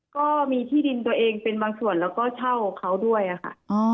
ก็มีที่ดินตัวเองเป็นบางส่วนแล้วก็เช่าเขาด้วยค่ะ